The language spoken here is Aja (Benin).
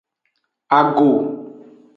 Ago.